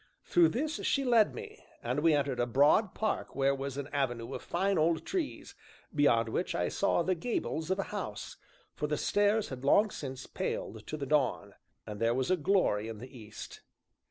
Through this she led me, and we entered a broad park where was an avenue of fine old trees, beyond which I saw the gables of a house, for the stars had long since paled to the dawn, and there was a glory in the east.